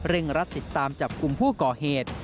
รัดติดตามจับกลุ่มผู้ก่อเหตุ